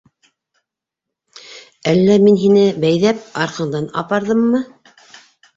Әллә мин һине бәйҙәп, арҡандап апарҙыммы?